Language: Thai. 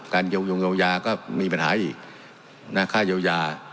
การเกี่ยวกันเกี่ยวยาก็มีปัญหาอีกหน้าค่าเกี่ยวยา